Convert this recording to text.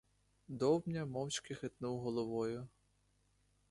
Довбня мовчки хитнув головою.